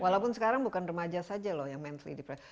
walaupun sekarang bukan remaja saja loh yang mental health